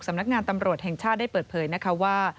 สำนักงานตำรวจแห่งชาติได้เปิดเผยนะคะว่า